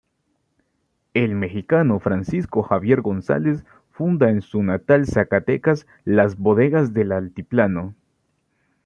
El mexicano Francisco Javier González funda en su natal Zacatecas las bodegas del Altiplano.